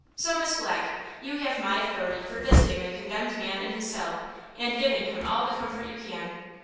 So, Miss Black, you have my authority for visiting the condemned man in his cell and giving him all the comfort you can.